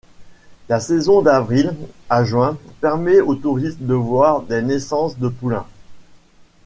La saison d'avril à juin permet aux touristes de voir des naissances de poulains.